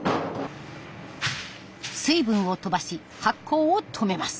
水分を飛ばし発酵を止めます。